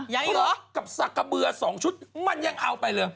ยังอยู่เหรอกับศักระเบื่อสองชุดมันยังเอาไปเลย